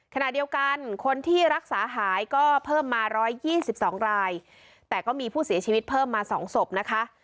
ขณะเดียวกันคนที่รักษาหายก็เพิ่มมา๑๒๒รายแต่ก็มีผู้เสียชีวิตเพิ่มมา๒ศพนะคะ